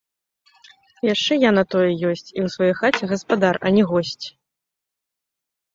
Яшчэ я на тое ёсць, і ў сваёй хаце гаспадар, а не госць!